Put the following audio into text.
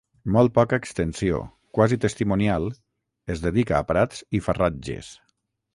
Molt poca extensió, quasi testimonial, es dedica a prats i farratges.